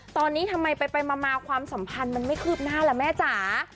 ตอนนี้ทำไมไปมาความสัมพันธ์มันไม่คืบหน้าล่ะแม่จ๋า